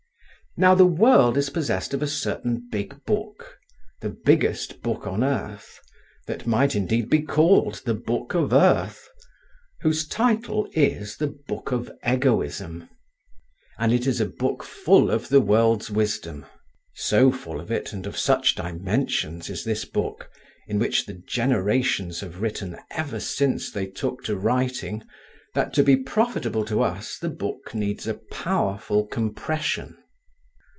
Now the world is possessed of a certain big book, the biggest book on earth; that might indeed be called the Book of Earth; whose title is the Book of Egoism, and it is a book full of the world's wisdom. So full of it, and of such dimensions is this book, in which the generations have written ever since they took to writing, that to be profitable to us the Book needs a powerful compression.